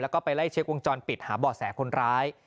แล้วก็ไปไล่เช็ควงจรปิดหาบ่อแสคนร้าย